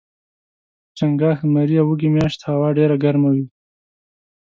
په چنګاښ ، زمري او وږي میاشت هوا ډیره ګرمه وي